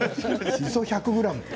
しそ１００ｇって。